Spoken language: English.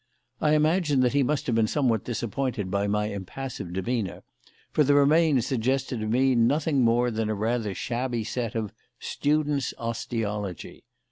I imagine that he must have been somewhat disappointed by my impassive demeanour, for the remains suggested to me nothing more than a rather shabby set of "student's osteology."